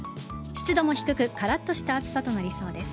湿度も低くカラッとした暑さになりそうです。